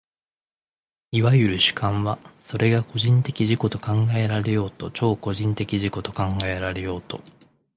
いわゆる主観は、それが個人的自己と考えられようと超個人的自己と考えられようと、